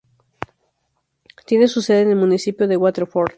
Tiene su sede en el Municipio de Waterford.